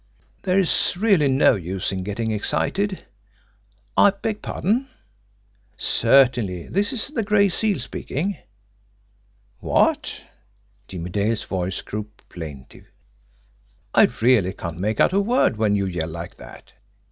"There is really no use in getting excited. ... I beg pardon? ... Certainly, this is the Gray Seal speaking. ... What?" Jimmie Dale's voice grew plaintive, "I really can't make out a word when you yell like that. ...